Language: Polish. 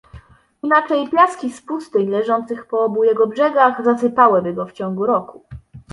Inaczej piaski z pustyń, leżących po obu jego brzegach, zasypałyby go w ciągu roku.